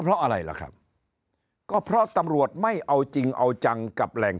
เพราะอะไรล่ะครับก็เพราะตำรวจไม่เอาจริงเอาจังกับแหล่ง